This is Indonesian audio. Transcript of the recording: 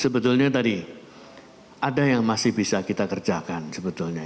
sebetulnya tadi ada yang masih bisa kita kerjakan sebetulnya